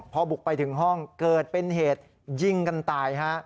พอบุกไปถึงห้องเกิดเป็นเหตุยิงกันตายฮะ